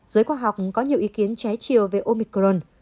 giới khoa học có nhiều ý kiến trái chiều về omicron